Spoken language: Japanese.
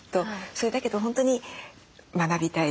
それだけど本当に学びたい。